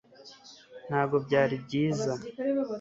ntabwo byari byiza